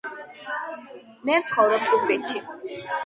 მე ვცხოვრობ ზუგდიდში